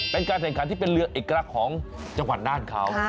เป็นการแข่งขันที่เป็นเรือเอกลักษณ์ของจังหวัดน่านเขา